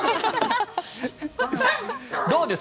どうです？